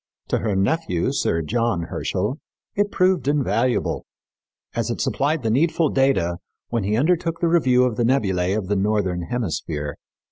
To her nephew, Sir John Herschel, it proved invaluable, as it supplied the needful data "when he undertook the review of the nebulæ of the northern hemisphere."